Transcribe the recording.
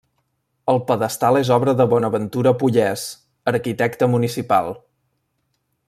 El pedestal és obra de Bonaventura Pollés, arquitecte municipal.